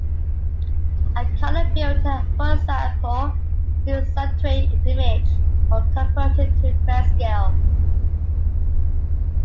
A color filter, for example, may desaturate an image or convert it to grayscale.